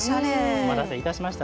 お待たせいたしました。